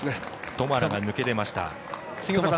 トマラが抜け出ました。